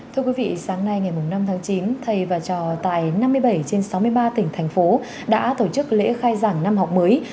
thưa quý vị sáng nay ngày năm tháng chín thầy và trò tại năm mươi bảy trên sáu mươi ba tỉnh thành phố đã tổ chức lễ khai giảng năm học mới